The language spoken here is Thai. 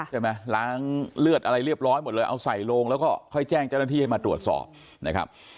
ล้างเลือดอะไรเรียบร้อยหมดเลยเอาใส่โลงแล้วก็ค่อยแจ้งเจ้าหน้าที่ให้มาตรวจสอบนะครับ